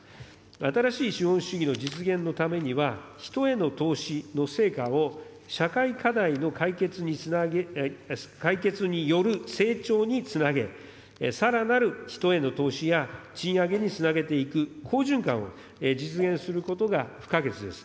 新しい資本主義の実現のためには、人への投資の成果を社会課題の解決による成長につなげ、さらなる人への投資や、賃上げにつなげていく好循環を実現することが不可欠です。